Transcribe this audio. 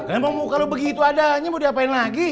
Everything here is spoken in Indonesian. kenapa muka lu begitu adanya mau diapain lagi